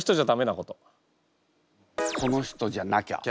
この人じゃなきゃ。